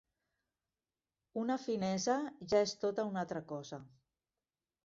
Una finesa ja és tota una altra cosa.